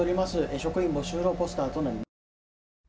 職員募集のポスターとなります。